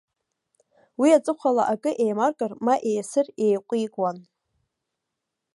Уи аҵыхәала акы еимаркыр, ма еисыр, еиҟәикуан.